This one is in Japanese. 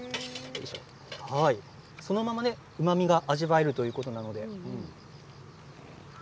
そのまま、うまみが味わえるということです。